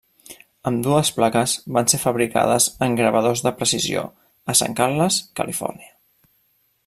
Ambdues plaques van ser fabricades en Gravadors de precisió, a Sant Carles, Califòrnia.